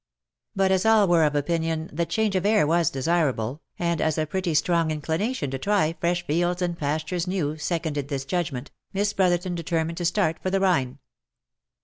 But as all were of opinion that change of air was desirable, and as a pretty strong inclination to try fresh fields and pastures new seconded this judgment, Miss Brotherton determined to start for the Rhine.